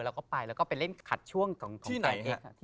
เราก็ไปแล้วก็ไปเล่นขัดช่วงของตัวเอง